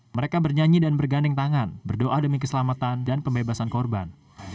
mereka bernyanyi dan berganding tangan berdoa demi keselamatan dan pembebasan korban